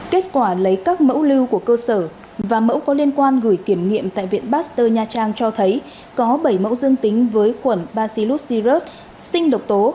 kết quả lấy các mẫu lưu của cơ sở và mẫu có liên quan gửi kiểm nghiệm tại viện pasteur nha trang cho thấy có bảy mẫu dương tính với khuẩn bacillus syrut sinh độc tố